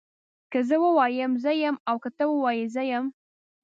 که زه ووایم زه يم او که ته ووايي زه يم